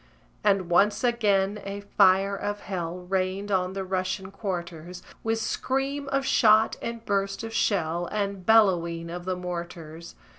And once again a fire of hell Rained on the Russian quarters, With scream of shot, and burst of shell, And bellowing of the mortars!